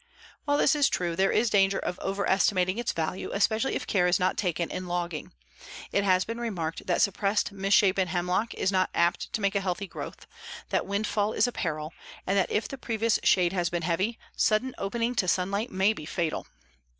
While this is true, there is danger of overestimating its value, especially if care is not taken in logging. It has been remarked that suppressed misshapen hemlock is not apt to make a healthy growth, that windfall is a peril, and that if the previous shade has been heavy, sudden opening to sunlight may be fatal.